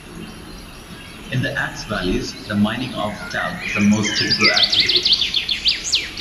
In the Ax valleys, the mining of talc is the most typical activity.